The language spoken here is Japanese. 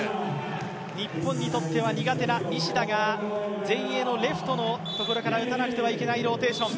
日本にとっては苦手な西田が前衛から打たなくてはいけないローテーション。